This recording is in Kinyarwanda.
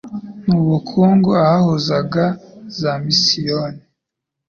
n ubukungu ahahuzaga za misiyoni